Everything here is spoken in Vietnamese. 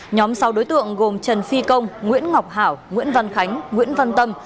nhóm sáu đối tượng gồm trần phi công nguyễn ngọc hảo nguyễn văn khánh nguyễn văn tâm